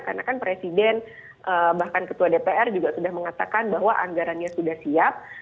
karena kan presiden bahkan ketua dpr juga sudah mengatakan bahwa anggarannya sudah siap